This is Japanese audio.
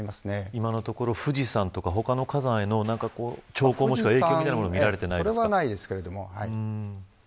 今のところ、富士山とか他の火山への影響みたいなものはそれはないですけど。